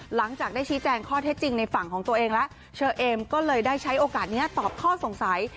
หลังจากได้ชี้แจงข้อเท็จจริงในฝั่งของตัวเองแล้วเชอเอมก็เลยได้ใช้โอกาสนี้ตอบข้อสงสัย